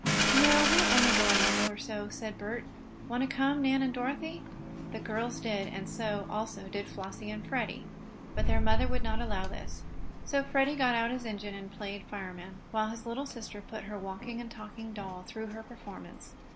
"No, we'll only go a mile or so," said Bert. "Want to come, Nan and Dorothy?" The girls did, and so, also, did Flossie and Freddie, but their mother would not allow this. So Freddie got out his engine and played fireman, while his little sister put her walking and talking doll through her performance.